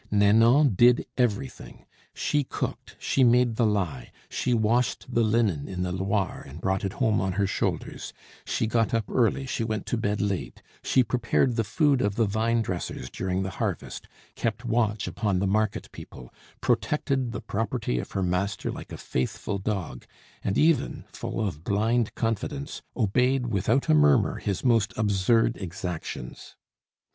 Nanon did everything. She cooked, she made the lye, she washed the linen in the Loire and brought it home on her shoulders; she got up early, she went to bed late; she prepared the food of the vine dressers during the harvest, kept watch upon the market people, protected the property of her master like a faithful dog, and even, full of blind confidence, obeyed without a murmur his most absurd exactions.